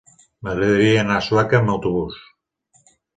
M'agradaria anar a Sueca amb autobús.